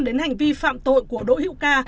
đến hành vi phạm tội của đỗ hiệu ca